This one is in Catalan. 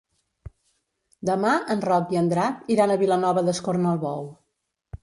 Demà en Roc i en Drac iran a Vilanova d'Escornalbou.